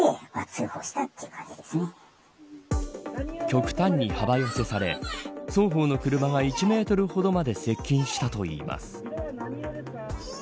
極端に幅寄せされ双方の車は、１メートルほどまで接近したといいます。